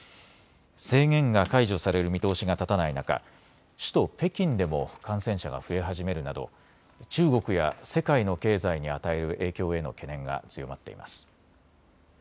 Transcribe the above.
制限が解除される見通しが立たない中、首都北京でも感染者が増え始めるなど中国や世界の経済に与える影響への懸念が強まっています。